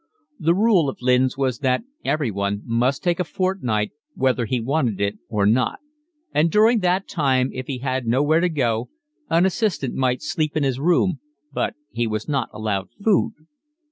The rule of Lynn's was that everyone must take a fortnight whether he wanted it or not; and during that time, if he had nowhere to go, the assistant might sleep in his room, but he was not allowed food.